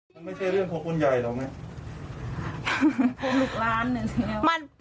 มันไม่ใช่เรื่องของคนใหญ่หรอกนะ